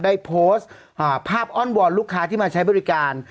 ได้โพสต์ภาพอ้อนวอนลูกค้าที่มาใช้บริการ